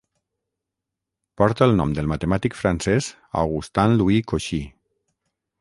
Porta el nom del matemàtic francès, Augustin Louis Cauchy.